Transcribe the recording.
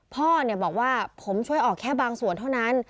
พ่อบอกว่าผมช่วยออกแค่บางส่วนเท่านั้น